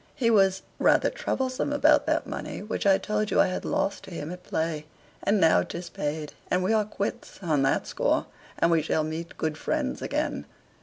"He was rather troublesome about that money which I told you I had lost to him at play. And now 'tis paid, and we are quits on that score, and we shall meet good friends again."